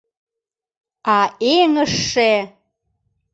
А эҥыжше!